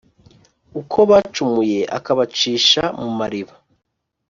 uko bacumuye akabacisha mu mariba